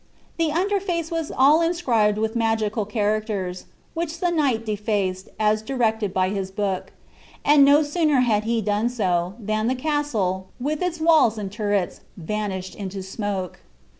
The under face was all inscribed with magical characters, which the knight defaced, as directed by his book; and no sooner had he done so, than the castle, with its walls and turrets, vanished into smoke.